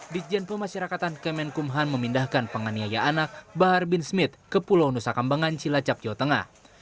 dijen pemasyarakatan kemenkumhan memindahkan penganiaya anak bahar bin smith ke pulau nusa kambangan cilacap jawa tengah